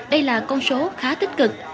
đây là con số khá tích cực